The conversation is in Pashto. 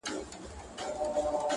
داسي په ماښام سترگي راواړوه-